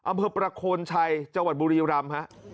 อำเภอประโคนชัยจังหวัดบุรีรำฮะ